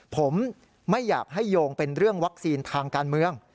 ผมไม่อยากให้โยงเป็นเรื่องวัคซีนทางการเมือง